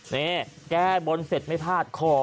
นี่แก้บนเสร็จไม่พลาดคอ